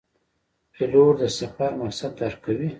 پیلوټ د سفر مقصد درک کوي.